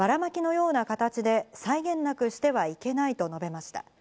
バラマキのような形で際限なく、してはいけないと述べました。